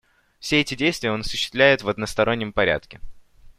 Все эти действия он осуществляет в одностороннем порядке.